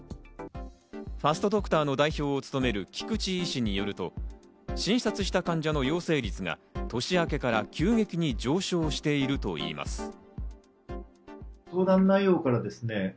ファストドクターの代表を務める菊池医師によると、診察した患者の陽性率が年明けから急激に上昇しているといいます。